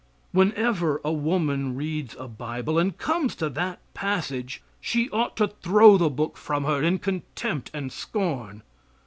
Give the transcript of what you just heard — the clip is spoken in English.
Whenever a woman reads a Bible and comes to that passage, she ought to throw the book from her in contempt and scorn.